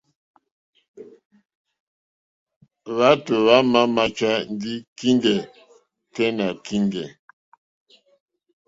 Hwátò hwámà máchá ndí kíŋgɛ̀ tɛ́ nà kíŋgɛ̀.